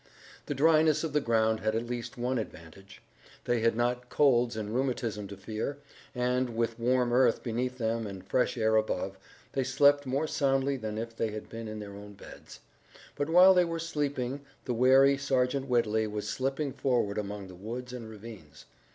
The dryness of the ground had at least one advantage. They had not colds and rheumatism to fear, and, with warm earth beneath them and fresh air above, they slept more soundly than if they had been in their own beds. But while they were sleeping the wary Sergeant Whitley was slipping forward among the woods and ravines.